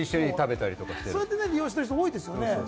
そうやって利用している人も多いですよね。